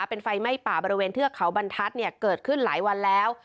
เป็นไฟไหม้ป่าบริเวณเทือกเขาบรรทัศน์เกิดขึ้นหลายวันแล้ว